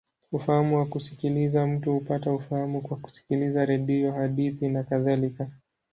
Ufahamu wa kusikiliza: mtu hupata ufahamu kwa kusikiliza redio, hadithi, nakadhalika.